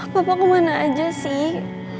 papa kemana aja sih